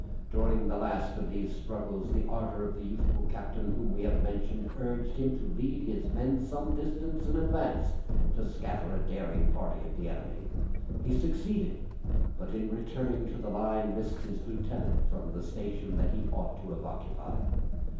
During the last of these struggles, the ardor of the youthful captain whom we have mentioned urged him to lead his men some distance in advance, to scatter a daring party of the enemy. He succeeded, but in returning to the line missed his lieutenant from the station that he ought to have occupied.